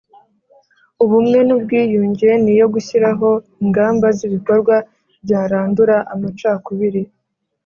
Ubumwe n ubwiyunge n iyo gushyiraho ingamba z ibikorwa byarandura amacakubiri